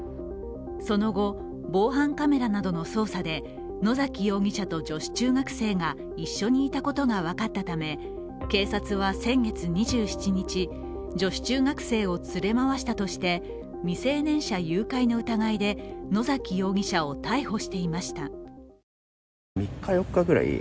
その後、防犯カメラなどの捜査で野崎容疑者と女子中学生が一緒にいたことが分かったため、警察は先月２７日、女子中学生を連れ回したとして未成年者誘拐の疑いで野崎容疑者を逮捕していました。